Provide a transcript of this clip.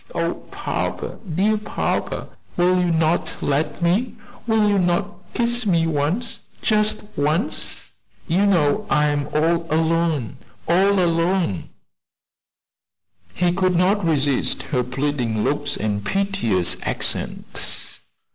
Oh, papa, dear papa, will you not let me will you not kiss me once, just once? You know I am all alone! all alone!" He could not resist her pleading looks and piteous accents.